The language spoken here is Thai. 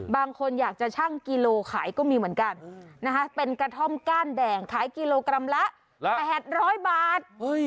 บางคนอยากจะชั่งกิโลขายก็มีเหมือนกันนะคะเป็นกระท่อมก้านแดงขายกิโลกรัมละ๘๐๐บาท